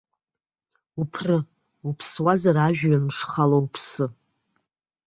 Уԥры, уԥсуазар ажәҩан ушхало уԥсы!